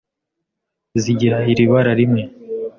zigira iri bara rimwe